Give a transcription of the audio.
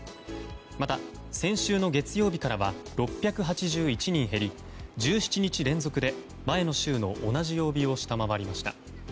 また、先週の月曜日からは６８１人減り１７日連続で前の週の同じ曜日を下回りました。